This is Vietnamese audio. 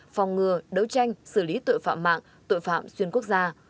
phòng ngừa đấu tranh xử lý tội phạm mạng tội phạm xuyên quốc gia